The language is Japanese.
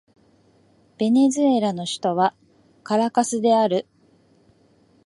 ベネズエラの首都はカラカスである